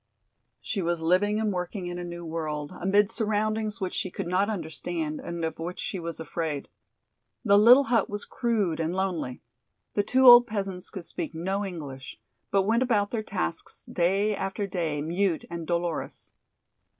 She was living and working in a new world, amid surroundings which she could not understand and of which she was afraid. The little hut was crude and lonely. The two old peasants could speak no English, but went about their tasks day after day mute and dolorous.